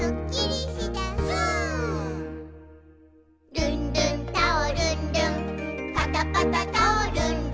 「ルンルンタオルン・ルンパタパタタオルン・ルン」